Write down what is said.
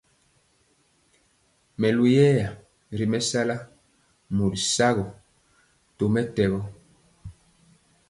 Melu yɛɛ ri mɛsala mɔri sagɔ tɔmɛtɛgɔ.